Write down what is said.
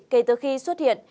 kể từ khi xuất hiện